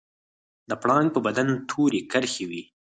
د پړانګ په بدن تورې کرښې وي